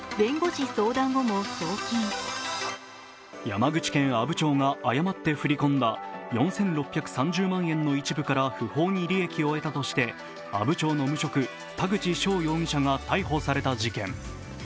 ゛山口県阿武町が誤って振り込んだ４６３０万円の一部から不法に利益を得たとして阿武町の無職・田口翔容疑者が逮捕された事件。